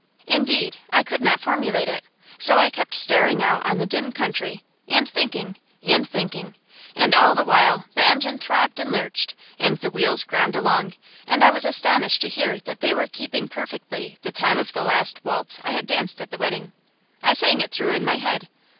Indeed, I could not formulate it, so I kept staring out on the dim country, and thinking, and thinking; and all the while the engine throbbed and lurched, and the wheels ground along, and I was astonished to hear that they were keeping perfectly the time of the last waltz I had danced at the wedding. I sang it through in my head.